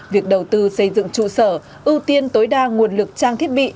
việc đầu tư xây dựng trụ sở ưu tiên tối đa nguồn lực trang thiết bị